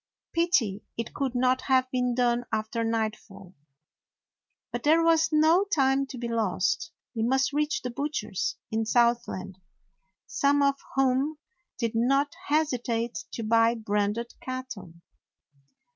Pity it could not have been done after nightfall. But there was no time to be lost. They must reach the butchers in Southland, some of whom did not hesitate to buy branded cattle.